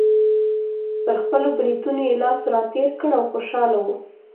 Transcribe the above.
پر خپلو برېتونو یې لاس راتېر کړ او خوشحاله و.